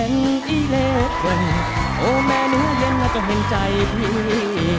แม่นานุเย็นล่ะจงเห็นใจพี่